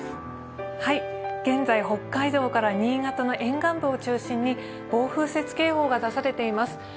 現在、北海道から新潟の沿岸部を中心に暴風雪警報が出されています。